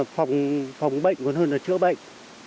phòng bệnh còn hơn là chữa bệnh